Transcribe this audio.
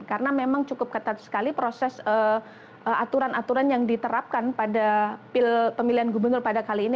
karena memang cukup ketat sekali proses aturan aturan yang diterapkan pada pemilihan gubernur pada kali ini